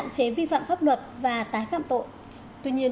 xin chào các bạn